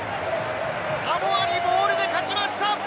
サモアにモールで勝ちました！